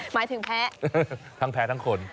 หมายถึงแพ้ทั้งทุกคน